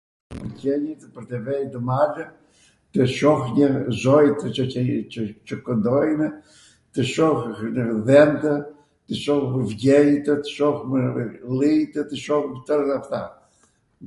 Mw pwlqen pwr tw vej ndw malw tw shoh njwr zoqt qw kwndojnw, tw shoh dhentw, tw shoh vgjenjtw, tw shoh llinjtw, tw shoh twr αυτά.